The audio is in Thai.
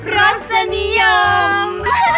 รถสนิยม